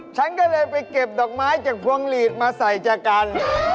ฉันก็เลยไปเก็บดอกไม้จากพวงหลีดมาใส่จากกัน